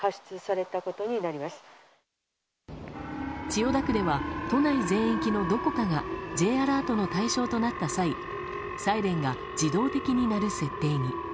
千代田区では都内全域のどこかがＪアラートの対象となった際サイレンが自動的に鳴る設定に。